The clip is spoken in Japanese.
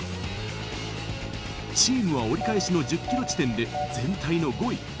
チームは折り返しの１０キロ地点で全体の５位。